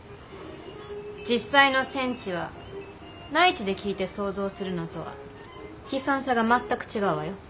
実際の戦地は内地で聞いて想像するのとは悲惨さが全く違うわよ。